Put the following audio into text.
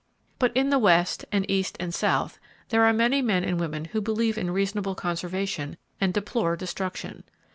But in the West, and East and South, there are many men and women who believe in reasonable conservation, and deplore destruction.